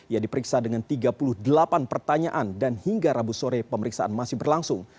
ia diperiksa dengan tiga puluh delapan pertanyaan dan hingga rabu sore pemeriksaan masih berlangsung